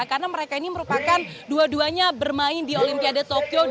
karena mereka ini merupakan dua duanya bermain di olimpiade tokyo dua ribu dua puluh